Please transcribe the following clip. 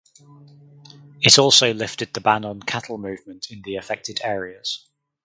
It also lifted the ban on cattle movement in the affected areas.